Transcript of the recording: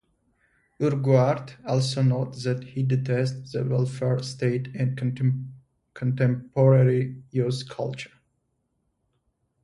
Urquhart also notes that he detests the welfare state and contemporary youth culture.